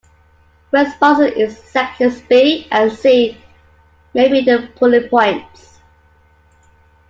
Responses in sections B and C may be in bullet points.